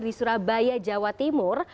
di surabaya jawa timur